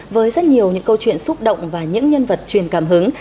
với rất nhiều những câu chuyện xúc động và những nhân vật truyền cảm hứng